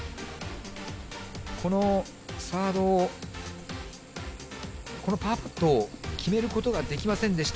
このサード、このパットを決めることができませんでした。